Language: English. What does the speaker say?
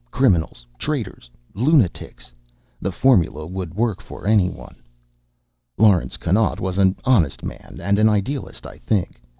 Criminals, traitors, lunatics the formula would work for anyone. Laurence Connaught was an honest man and an idealist, I think.